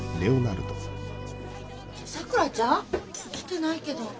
さくらちゃん？来てないけど。